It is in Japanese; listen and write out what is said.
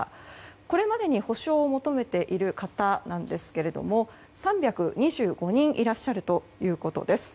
これまでに補償を求めている方なんですが３２５人いらっしゃるということです。